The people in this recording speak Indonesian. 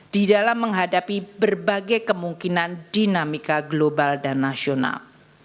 di dalam menghadapi berbagai kemungkinan dinamika global dan nasional